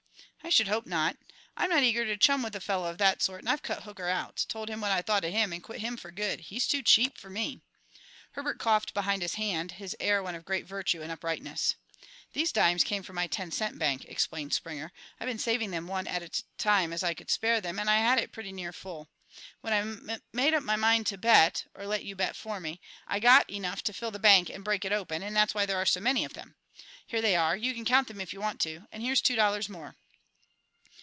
"I should hope not. I'm not eager to chum with a fellow of that sort, and I've cut Hooker out; told him what I thought of him and quit him for good. He's too cheap for me." Herbert coughed behind his hand, his air one of great virtue and uprightness. "These dimes came from my ten cent bank," explained Springer. "I've been saving them one at a tut time as I could spare them, and I had it pretty near full. When I mum made up my mind to bet or let you bet for me I got enough to fill the bank and break it open; and that's why there are so many of them. Here they are; you can count them if you want to. And here's two dollars more."